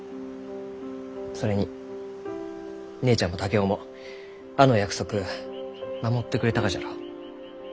それに姉ちゃんも竹雄もあの約束守ってくれたがじゃろう？